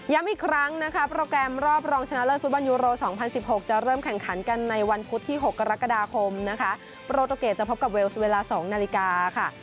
อีกครั้งนะคะโปรแกรมรอบรองชนะเลิศฟุตบอลยูโร๒๐๑๖จะเริ่มแข่งขันกันในวันพุธที่๖กรกฎาคมนะคะโปรตูเกตจะพบกับเวลส์เวลา๒นาฬิกาค่ะ